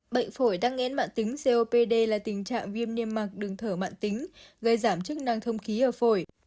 bệnh phổi tắc nghẽn mạng tính copd là tình trạng viêm niêm mạc đường thở mạng tính gây giảm chức năng thông khí ở phổi